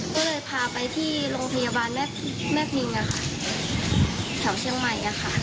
ก็เลยพาไปที่โรงพยาบาลแม่แม่พิงอะค่ะแถวเชียงใหม่อะค่ะ